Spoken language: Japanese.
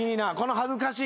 恥ずかしい。